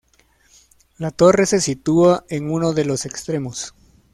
La torre se sitúa en uno de los extremos.